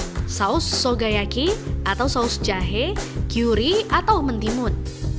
atau saus soga yaki atau saus jahe kuri atau mentimun